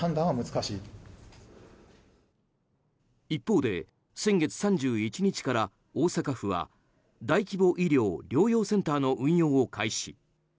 一方で、先月３１日から大阪府は大規模医療・療養センターの運用を開始。